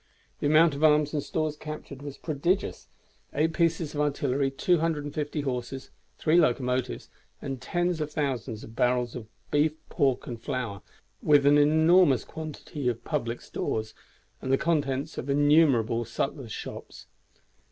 The amount of arms and stores captured was prodigious: Eight pieces of artillery, 250 horses, 3 locomotives, and tens of thousands of barrels of beef, pork, and flour, with an enormous quantity of public stores and the contents of innumerable sutlers' shops.